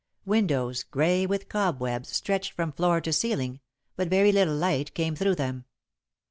Windows, grey with cobwebs, stretched from floor to ceiling, but very little light came through them.